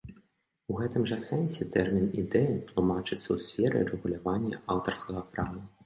У гэтым жа сэнсе тэрмін ідэя тлумачыцца ў сферы рэгулявання аўтарскага права.